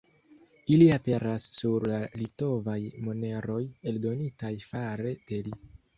Ili aperas sur la litovaj moneroj eldonitaj fare de li.